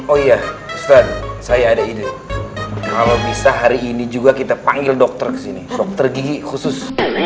oh iya ustadz saya ada ide kalau bisa hari ini juga kita panggil dokter kesini dokter gigi khusus